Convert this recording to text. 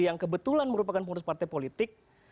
yang kebetulan merupakan pengurus partai politik